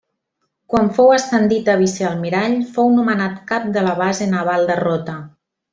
Quan fou ascendit a vicealmirall fou nomenat cap de la Base Naval de Rota.